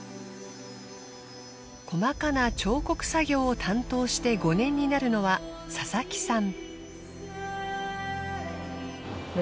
細かな彫刻作業を担当して５年になるのは佐々木さん。